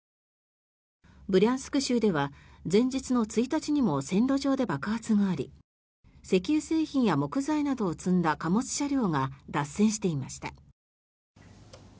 ブリャンスク州では前日の１日にも線路上で爆発があり石油製品や木材などを積んだ貨物車両が脱線していました。